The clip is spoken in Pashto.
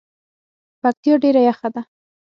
پکتیا ډیره یخه ده